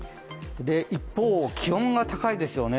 一方、気温が高いですよね。